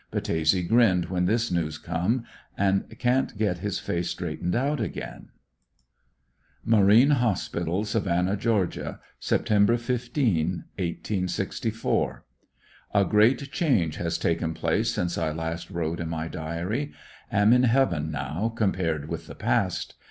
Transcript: Battese grinned when this news come and can't get his face straightened out again. Marine Hospital, Savannah, Ga., Sept. 15, 1864. — A great change has taken place since I last wrote in m}^ diary. Am in heaven now compared with the past.